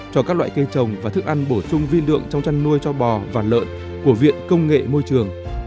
cho các loại cây trồng và thức ăn bổ sung vi lượng trong chăn nuôi cho bò và lợn của viện công nghệ môi trường